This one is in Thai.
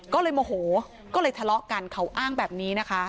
ก็เลยโมโหก็เลยทะเลาะกันเขาอ้างแบบนี้นะคะ